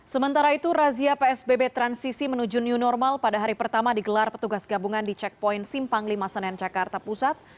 sementara itu razia psbb transisi menuju new normal pada hari pertama digelar petugas gabungan di checkpoint simpang lima senen jakarta pusat